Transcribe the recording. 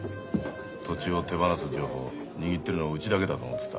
土地を手放す情報握ってるのはうちだけだと思ってた。